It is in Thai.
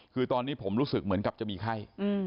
คือตอนนี้ผมรู้สึกเหมือนกับจะมีไข้